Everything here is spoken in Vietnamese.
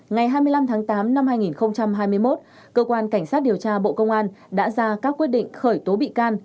ngày hai mươi năm tháng tám năm hai nghìn hai mươi một cơ quan cảnh sát điều tra bộ công an đã ra các quyết định khởi tố bị can